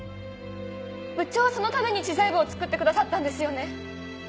部長はそのために知財部をつくってくださったんですよね？